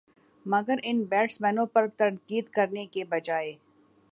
مگر ان بیٹسمینوں پر تنقید کرنے کے بجائے